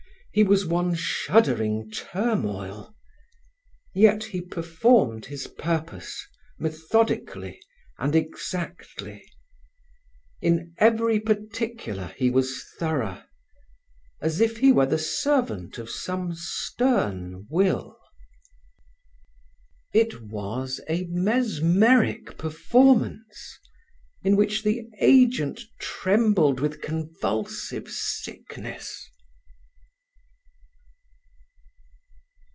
He was one shuddering turmoil. Yet he performed his purpose methodically and exactly. In every particular he was thorough, as if he were the servant of some stern will. It was a mesmeric performance, in which the agent trembled with convulsive sickness.